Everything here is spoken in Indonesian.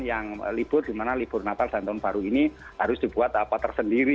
yang libur dimana libur natal dan tahun baru ini harus dibuat apa tersendiri